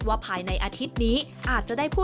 เธออยากให้ชี้แจ่งความจริง